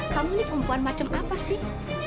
kamu ini perempuan macam apa sih